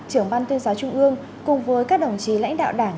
trưởng ban tuyên giáo trung ương cùng với các đồng chí lãnh đạo đảng